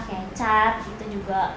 kayak cat gitu juga